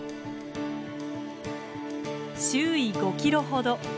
周囲５ｋｍほど。